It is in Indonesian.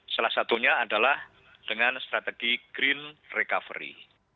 salah satunya adalah dengan strategi green recovery